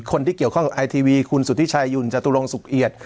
คนที่เกี่ยวข้องกับไอทีวีคุณสุธิชายุ่นจตุรงสุขเอียด